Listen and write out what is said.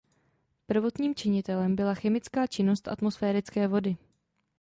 Prvotním činitelem byla chemická činnost atmosférické vody.